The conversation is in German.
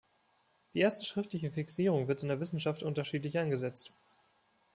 Die erste schriftliche Fixierung wird in der Wissenschaft unterschiedlich angesetzt.